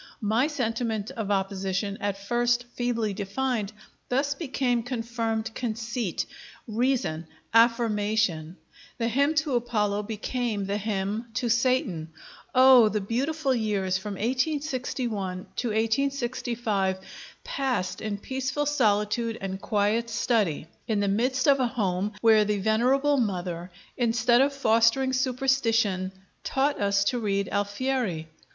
My sentiment of opposition, at first feebly defined, thus became confirmed conceit, reason, affirmation; the hymn to Apollo became the hymn to Satan. Oh! the beautiful years from 1861 to 1865, passed in peaceful solitude and quiet study, in the midst of a home where the venerable mother, instead of fostering superstition, taught us to read Alfieri.